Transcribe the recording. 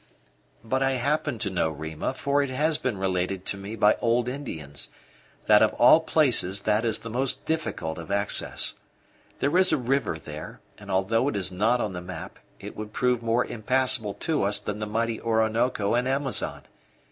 "But I happen to know, Rima, for it has been related to me by old Indians, that of all places that is the most difficult of access. There is a river there, and although it is not on the map, it would prove more impassable to us than the mighty Orinoco and Amazon.